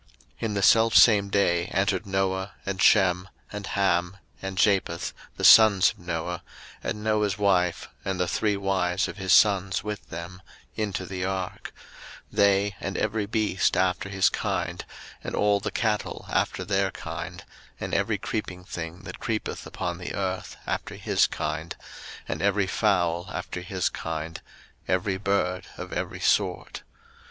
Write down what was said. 01:007:013 In the selfsame day entered Noah, and Shem, and Ham, and Japheth, the sons of Noah, and Noah's wife, and the three wives of his sons with them, into the ark; 01:007:014 They, and every beast after his kind, and all the cattle after their kind, and every creeping thing that creepeth upon the earth after his kind, and every fowl after his kind, every bird of every sort.